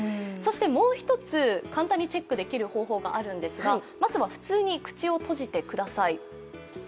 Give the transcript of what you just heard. もう１つ、簡単にチェックできる方法があるんですがまずは普通に口を閉じてください。